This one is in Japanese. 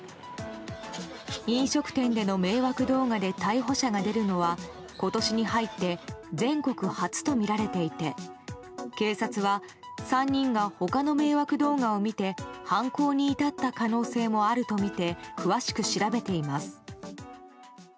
飲食店での迷惑動画で逮捕者が出るのは今年に入って全国初とみられていて警察は３人が他の迷惑動画を見て犯行に至った可能性もあるとみて詳しく調べています。